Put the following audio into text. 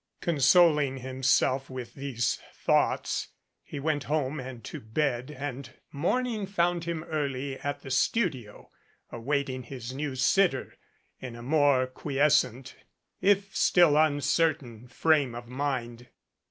* Consoling himself with these thoughts he went home and to bed and morning found him early at the studio, awaiting his new sitter, in a more quiescent, if still un certain, frame of mind.